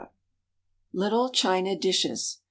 _Little China Dishes.